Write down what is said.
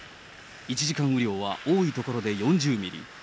１時間雨量は多い所で４０ミリ。